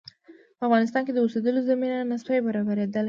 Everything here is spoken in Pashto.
په افغانستان کې د اوسېدلو زمینه نه سوای برابرېدلای.